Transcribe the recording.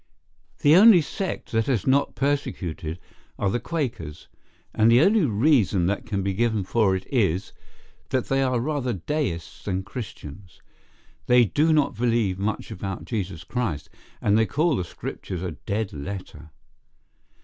The only sect that has not persecuted are the Quakers; and the only reason that can be given for it is, that they are rather Deists than Christians. They do not believe much about Jesus Christ, and they call the scriptures a dead letter.